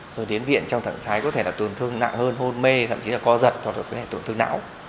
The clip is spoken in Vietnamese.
rồi đến viện trong thận sái có thể là tổn thương nặng hơn hôn mê thậm chí là co giật hoặc là có thể tổn thương não